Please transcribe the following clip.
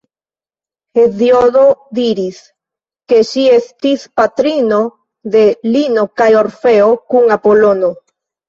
Heziodo diris, ke ŝi estis patrino de Lino kaj Orfeo kun Apolono.